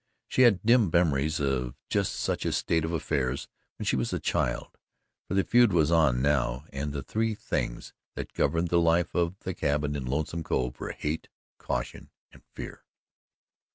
She had dim memories of just such a state of affairs when she was a child, for the feud was on now and the three things that governed the life of the cabin in Lonesome Cove were hate, caution, and fear.